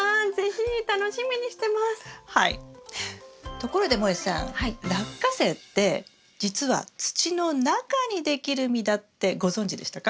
ところでもえさんラッカセイってじつは土の中にできる実だってご存じでしたか？